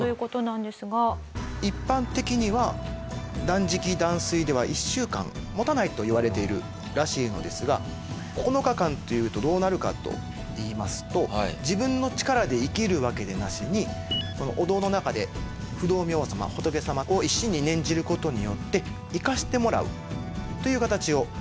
一般的には断食断水では１週間持たないといわれているらしいのですが９日間というとどうなるかといいますと自分の力で生きるわけでなしにお堂の中で不動明王様仏様を一心に念じる事によって生かしてもらうという形を取らしてもらいます。